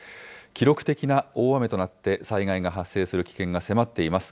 記録的な大雨となって、災害が発生する危険が迫っています。